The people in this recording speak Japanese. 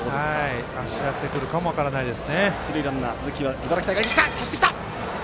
走らせてくるかも分からないです。